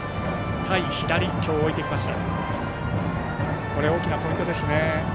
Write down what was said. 対左、置いてきました。